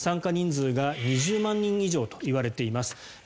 参加人数が２０万人以上といわれています。